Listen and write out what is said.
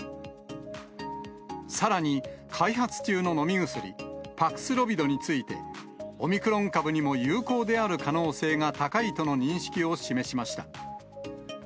さらに、開発中の飲み薬、パクスロビドについて、オミクロン株にも有効である可能性が高いとの認識を示しました。